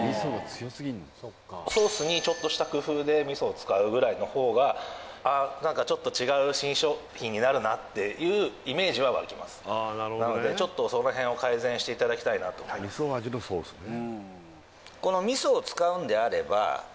ソースにちょっとした工夫で味噌を使うぐらいの方がちょっと違う新商品になるなっていうイメージは湧きますなのでそのへんを改善していただきたいなと思いますしたと思うんですよね